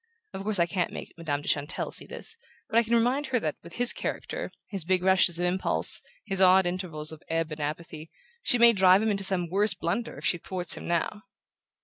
Of course I can't make Madame de Chantelle see this; but I can remind her that, with his character his big rushes of impulse, his odd intervals of ebb and apathy she may drive him into some worse blunder if she thwarts him now."